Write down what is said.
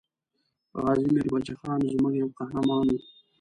غازي میر بچه خان زموږ یو قهرمان وو.